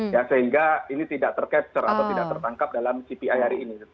ya sehingga ini tidak tercapture atau tidak tertangkap dalam cpi hari ini